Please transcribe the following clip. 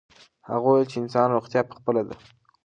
هغه وویل چې د انسان روغتیا په خپله ده.